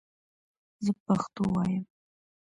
زه پښتو وایم